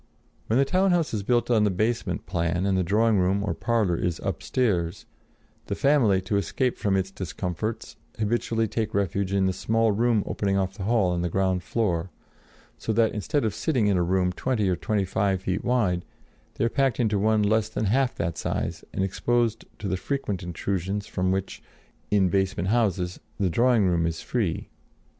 When the town house is built on the basement plan, and the drawing room or parlor is up stairs, the family, to escape from its discomforts, habitually take refuge in the small room opening off the hall on the ground floor; so that instead of sitting in a room twenty or twenty five feet wide, they are packed into one less than half that size and exposed to the frequent intrusions from which, in basement houses, the drawing room is free.